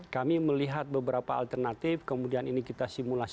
kami melihat beberapa alternatif kemudian ini kita simulasi